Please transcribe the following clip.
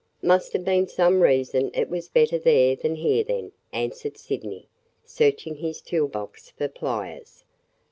"Must have been some reason it was better there than here, then," answered Sydney, searching his tool box for pliers.